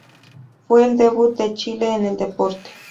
Fue el debut de Chile en el deporte.